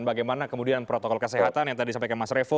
bagaimana kemudian protokol kesehatan yang tadi sampaikan mas revo